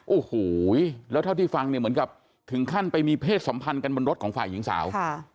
อู้หูยแล้วเท่าที่ฟังเหมือนถึงขั้นไปมีเพศสัมพันธ์บนรถของฝ่ายหญิงสาว